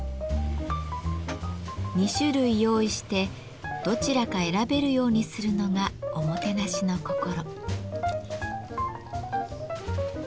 ２種類用意してどちらか選べるようにするのがおもてなしの心。